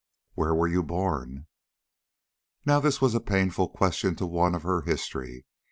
"Where were you born?" Now this was a painful question to one of her history.